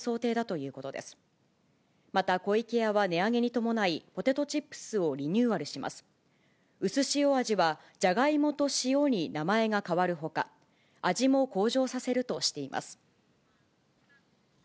うすしお味は、じゃがいもと塩に名前が変わるほか、味も向上させるとしています。